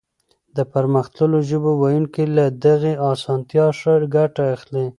د پرمختللو ژبو ويونکي له دغې اسانتيا ښه ګټه اخلي.